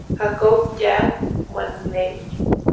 Jacob "Hawk" Manley.